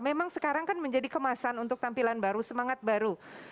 memang sekarang kan menjadi kemasan untuk tampilan baru semangat baru